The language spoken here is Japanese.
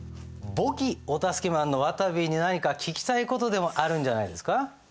簿記お助けマンのわたびに何か聞きたい事でもあるんじゃないですか？